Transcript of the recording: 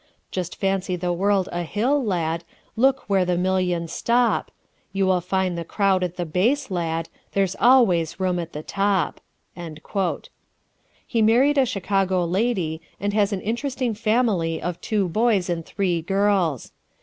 "Just fancy the world a hill, lad; Look where the millions stop; You will find the crowd at the base, lad, There's always room at the top. He married a Chicago lady, and has an interesting family of two boys and three girls.